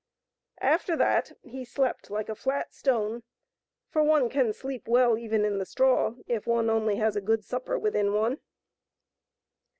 After that he slept like a flat stone, for one can sleep well even in the straw, if one only has a good supper within one.